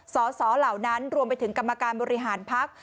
สสเหล่านั้นรวมไปถึงกรรมการบริหารพัก